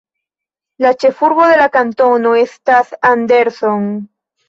La ĉefurbo de la kantono estas Anderson.